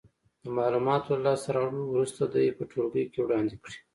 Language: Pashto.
د معلوماتو له لاس ته راوړلو وروسته دې په ټولګي کې وړاندې کړې.